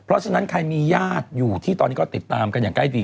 เพราะฉะนั้นใครมีญาติอยู่ที่ตอนนี้ก็ติดตามกันอย่างใกล้ดี